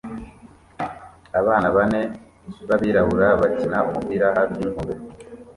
Abana bane b'abirabura bakina umupira hafi yinkombe